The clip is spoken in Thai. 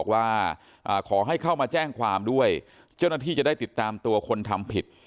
ว่าขอให้เข้ามาแจ้งความด้วยเจ้าหน้าที่จะได้ติดตามตัวคนทำผิด